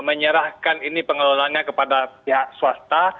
menyerahkan ini pengelolanya kepada pihak swasta